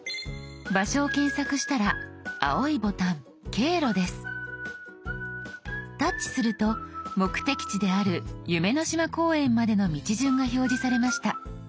場所を検索したら青いボタン「経路」です。タッチすると目的地である夢の島公園までの道順が表示されました。